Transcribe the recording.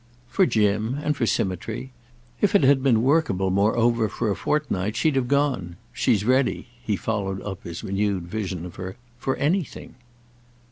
"For Jim—and for symmetry. If it had been workable moreover for a fortnight she'd have gone. She's ready"—he followed up his renewed vision of her—"for anything."